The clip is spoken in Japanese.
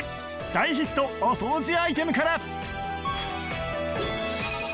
大ヒットお掃除アイテムから